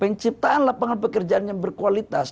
penciptaan lapangan pekerjaan yang berkualitas